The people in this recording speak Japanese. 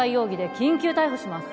緊急逮捕します